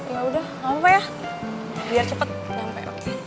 yaudah gapapa ya biar cepet nyampe